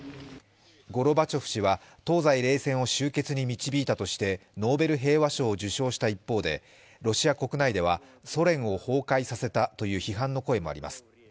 ゴルバチョフ氏は東西冷戦を終結に導いたとしてノーベル平和賞を受賞した一方で、ロシア国内ではソ連を崩壊させたという批判の声もあります。